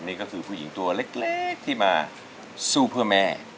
นี่ก็คือผู้หญิงตัวเล็กที่มาสู้เพื่อแม่